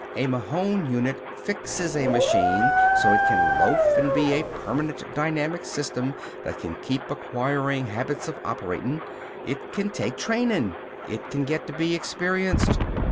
A Mahon unit fixes a machine so it can loaf and be a permanent dynamic system that can keep acquired habits of operatin'. It can take trainin'. It can get to be experienced.